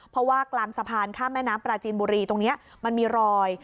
เพราะว่ากลางสะพานข้ามแม่น้ำปลาจีนบุรีตรงนี้มันมีรอย